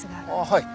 はい。